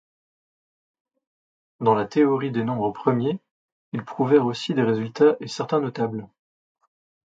Dans la théorie des nombres premiers ils prouvèrent aussi des résultats et certains notables.